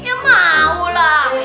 ya mau lah